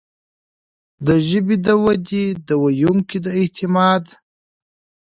د ژبې د ودې، د ویونکو د اعتماد